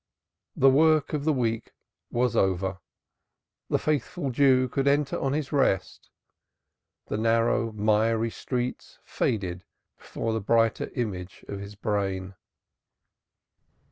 The work of the week was over. The faithful Jew could enter on his rest the narrow, miry streets faded before the brighter image of his brain.